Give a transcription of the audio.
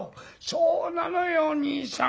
「そうなのよ兄さん。